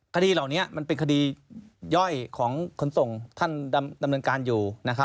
คดีเหล่านี้มันเป็นคดีย่อยของขนส่งท่านดำเนินการอยู่